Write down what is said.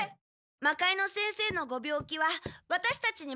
魔界之先生のご病気はワタシたちにまかせて！